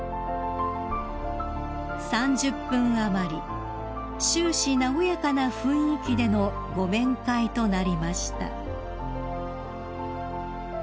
［３０分余り終始和やかな雰囲気でのご面会となりました］